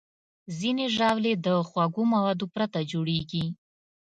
ځینې ژاولې د خوږو موادو پرته جوړېږي.